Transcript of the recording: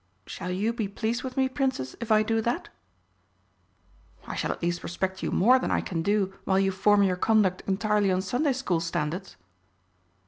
Shall you be pleased with me, Princess, if I do that?" "I shall at least respect you more than I can do while you form your conduct entirely on Sunday School standards."